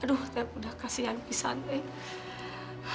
aduh teh punah kasihan bisa teh